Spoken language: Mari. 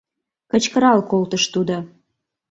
— кычкырал колтыш тудо.